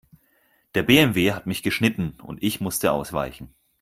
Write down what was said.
Der BMW hat mich geschnitten und ich musste ausweichen.